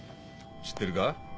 知ってるか？